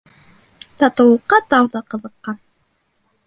Татыулыҡҡа тау ҙа ҡыҙыҡҡан.